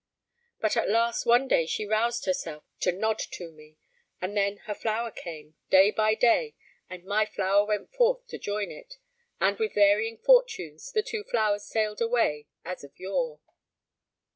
But at last one day she roused herself to nod to me, and then her flower came, day by day, and my flower went forth to join it, and with varying fortunes the two flowers sailed away as of yore.